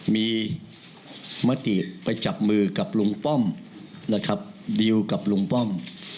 มีมติไปจับมือกับลุงป้อมนะครับดิวกับลุงป้อม